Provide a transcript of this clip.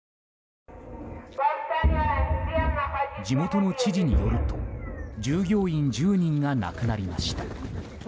地元の知事によると従業員１０人が亡くなりました。